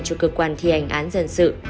cho cơ quan thi hành án dân sự